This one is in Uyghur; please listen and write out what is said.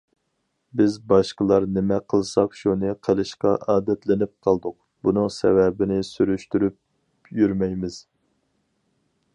بىز باشقىلار نېمە قىلساق شۇنى قىلىشقا ئادەتلىنىپ قالدۇق، بۇنىڭ سەۋەبىنى سۈرۈشتۈرۈپ يۈرمەيمىز.